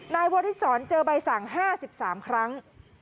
นายวริสรเจอใบสั่ง๕๓ครั้ง